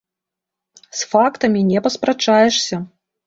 З фактамі не паспрачаешся!